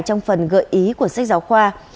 trong phần gợi ý của sách giáo khoa